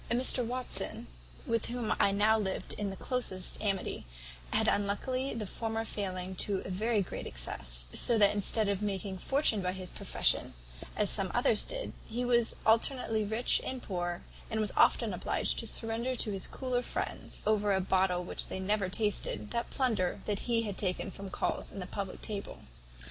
"Mr Watson, with whom I now lived in the closest amity, had unluckily the former failing to a very great excess; so that instead of making a fortune by his profession, as some others did, he was alternately rich and poor, and was often obliged to surrender to his cooler friends, over a bottle which they never tasted, that plunder that he had taken from culls at the public table.